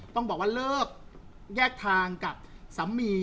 ต้องบอกแล้วแยกทางกับสามี